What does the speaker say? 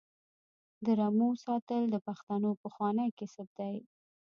د رمو ساتل د پښتنو پخوانی کسب دی.